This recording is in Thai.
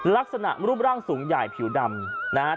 ลักษณะรูปร่างสูงใหญ่ผิวดำนะครับ